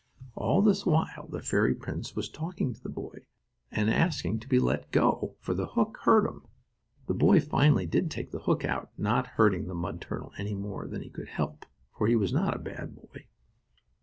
All this while the fairy prince was talking to the boy, and asking to be let go, for the hook hurt him. The boy finally did take the hook out, not hurting the mud turtle any more than he could help, for he was not a bad boy.